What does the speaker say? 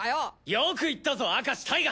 よく言ったぞ明石タイガ！